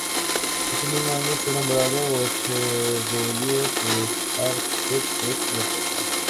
Ese mismo año fue nombrado Chevalier des Arts et des Lettres.